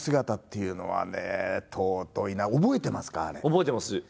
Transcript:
覚えてます。